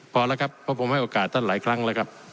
พอแล้วครับเพราะผมให้โอกาสท่านหลายครั้งแล้วครับ